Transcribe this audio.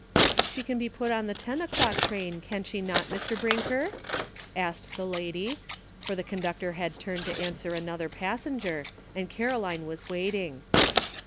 " She can be put on the ten o'clock train, can she not, Mr. Brinker?" asked the lady, for the conductor had turned to answer another passen ger, and Caroline was waiting.